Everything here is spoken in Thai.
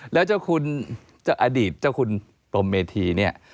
แล้วเจ้าคุณอดีตเจ้าคุณพรมเมธีเนี่ย